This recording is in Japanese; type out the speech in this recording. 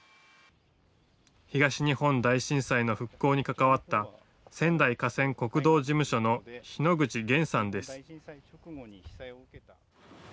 東日本大震災の復興に関わった仙台河川国道事務所の日野口厳さんです。